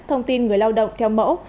thông tin người lao động theo mẫu